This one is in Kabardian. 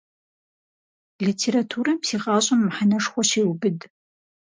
Литературэм си гъащӏэм мэхьэнэшхуэ щеубыд.